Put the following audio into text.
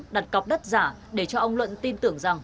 đặt cọc đất giả để cho ông luận tin tưởng rằng